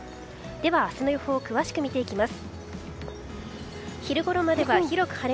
では、明日の予報を詳しく見ていきます。